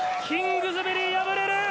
キングズベリー敗れる！